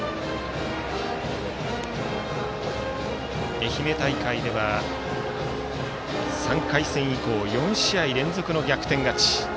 愛媛大会では３回戦以降４試合連続の逆転勝ち。